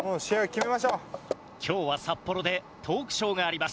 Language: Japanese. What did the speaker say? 今日は札幌でトークショーがあります。